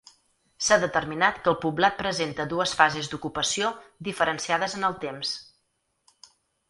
S'ha determinat que el poblat presenta dues fases d'ocupació diferenciades en el temps.